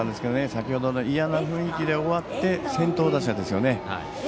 先程の嫌な雰囲気で終わって先頭打者ですよね。